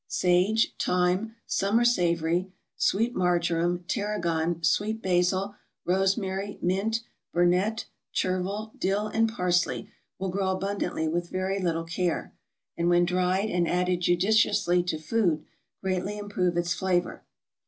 Sage, thyme, summer savory, sweet marjoram, tarragon, sweet basil, rosemary, mint, burnet, chervil, dill, and parsley, will grow abundantly with very little care; and when dried, and added judiciously to food, greatly improve its flavor.